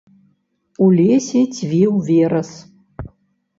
У лесе цвіў верас.